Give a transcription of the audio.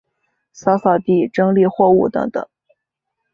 扫扫地、整理货物等等